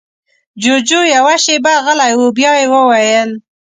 جُوجُو يوه شېبه غلی و، بيا يې وويل: